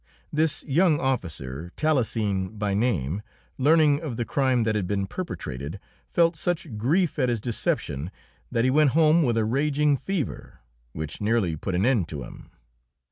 This young officer, Talesin by name, learning of the crime that had been perpetrated, felt such grief at his deception that he went home with a raging fever, which nearly put an end to him.